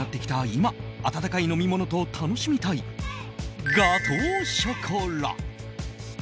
今温かい飲み物と楽しみたいガトーショコラ。